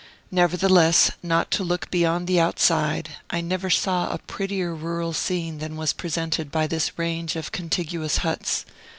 Nevertheless, not to look beyond the outside, I never saw a prettier rural scene than was presented by this range of contiguous huts.